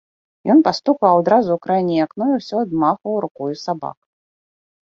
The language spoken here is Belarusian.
Ён пастукаў адразу ў крайняе акно і ўсё адмахваў рукою сабак.